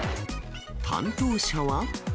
担当者は。